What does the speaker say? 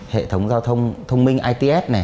hệ thống giao thông thông minh its